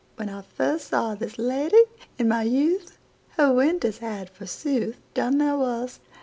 When I firstSaw this lady, in my youth, Her winters had, forsooth, Done their worst.